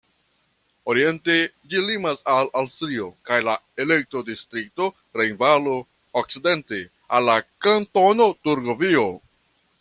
Oriente ĝi limas al Aŭstrio kaj la elektodistrikto Rejnvalo, okcidente al la Kantono Turgovio.